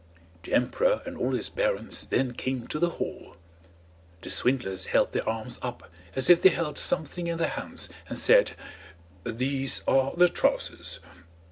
The emperor and all his barons then came to the hall; the swindlers held their arms up as if they held something in their hands and said: "These are the trousers!"